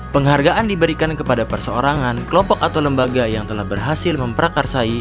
penghargaan diberikan kepada perseorangan kelompok atau lembaga yang telah berhasil memprakarsai